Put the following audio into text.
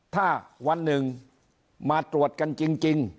ถ้าวันหนึ่งมาตรวจกันจริง